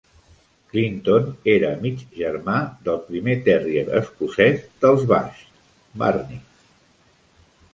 Clinton era mig germà del primer terrier escocès dels Bush, Barney.